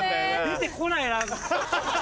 出てこない。